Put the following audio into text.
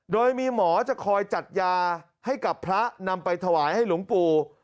โดยมีหมอจะคอยจัดยาให้กับพระนำไปถวายให้หลวงปู่